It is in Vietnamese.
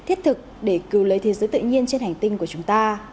cần thiết thiết thực để cứu lấy thế giới tự nhiên trên hành tinh của chúng ta